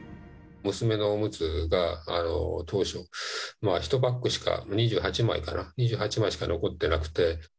娘のおむつが、当初１パックしか、２８枚かな、２８枚しか残ってなくて。